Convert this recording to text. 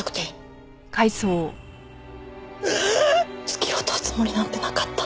突き落とすつもりなんてなかった。